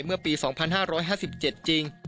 เมื่อปี๒๕๕๗จริง